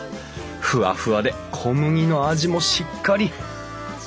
フワフワで小麦の味もしっかり！